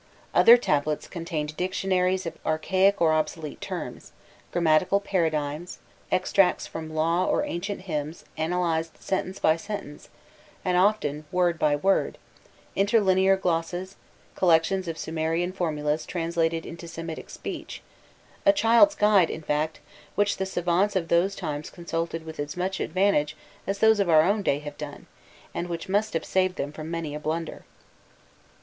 Other tablets contained dictionaries of archaic or obsolete terms, grammatical paradigms, extracts from laws or ancient hymns analyzed sentence by sentence and often word by word, interlinear glosses, collections of Sumerian formulas translated into Semitic speech a child's guide, in fact, which the savants of those times consulted with as much advantage as those of our own day have done, and which must have saved them from many a blunder.